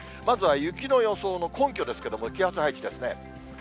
まずは雪の予想の根拠ですけども、気圧配置ですね。